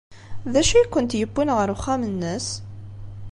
D acu ay kent-yewwin ɣer uxxam-nnes?